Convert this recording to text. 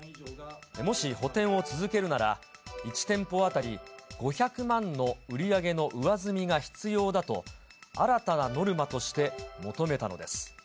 もし補填を続けるなら、１店舗当たり５００万の売り上げの上積みが必要だと、新たなノルマとして求めたのです。